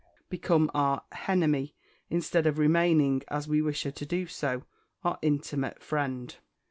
become our "_h_enemy," instead of remaining, as we wish her to do, our intimate friend.